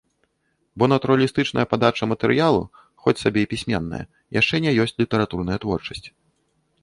Бо натуралістычная падача матэрыялу, хоць сабе і пісьменная, яшчэ не ёсць літаратурная творчасць.